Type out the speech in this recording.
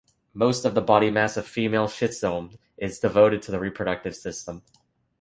Most of the body mass of female schistosomes is devoted to the reproductive system.